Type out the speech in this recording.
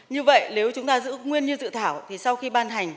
như vậy nếu chúng ta giữ nguyên như dự thảo thì sau khi ban hành